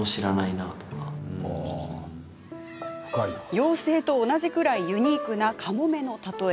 妖精と同じくらいユニークなカモメの例え。